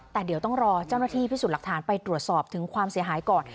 แต่เดี๋ยวต้องรอเจ้าหน้าที่พิสูจน์หลักฐานไปตรวจสอบถึงความเสียหายก่อน